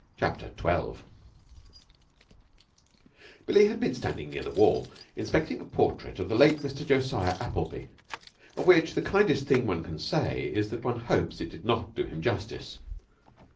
CHAPTER TWELVE Billie had been standing near the wall, inspecting a portrait of the late Mr. Josiah Appleby, of which the kindest thing one can say is that one hopes it did not do him justice.